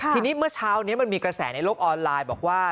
ทีนี้เมื่อเช้านี้มันมีกระแสในโลกออนไลน์บอกว่า